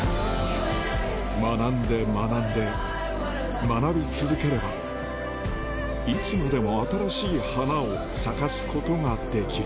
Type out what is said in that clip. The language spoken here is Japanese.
学んで学んで学び続ければいつまでも新しい花を咲かすことができる